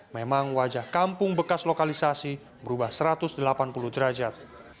memang wajah kampung bekas lokalisasi berubah satu ratus delapan puluh derajat